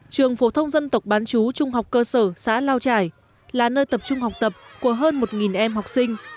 trường phổ thông dân tộc bán chú trung học cơ sở xã lao trải là nơi tập trung học tập của hơn một em học sinh